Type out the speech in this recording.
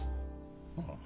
ああ。